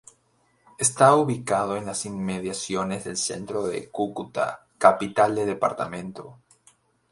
Está ubicado en las inmediaciones del centro de Cúcuta-capital del departamento.